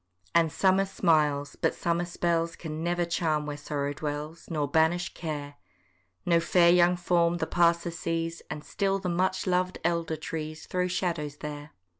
And summer smiles, but summer spells Can never charm where sorrow dwells, Nor banish care. No fair young form the passer sees, And still the much lov'd elder trees Throw shadows there.